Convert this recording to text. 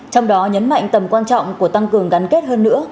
trong đó nhấn mạnh tầm quan trọng của tăng cường gắn kết hơn nữa